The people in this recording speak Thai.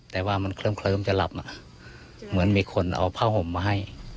แต่ว่ามันเคลิ้มจะหลับเหมือนมีคนเอาผ้าห่มมาให้